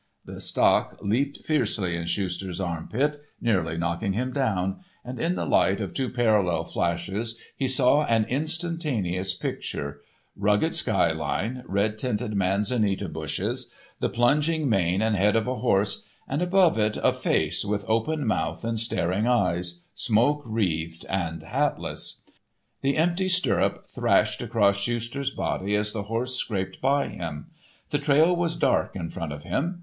The stock leaped fiercely in Schuster's arm pit, nearly knocking him down, and, in the light of two parallel flashes, he saw an instantaneous picture—rugged skyline, red tinted manzanita bushes, the plunging mane and head of a horse, and above it a Face with open mouth and staring eyes, smoke wreathed and hatless. The empty stirrup thrashed across Schuster's body as the horse scraped by him. The trail was dark in front of him.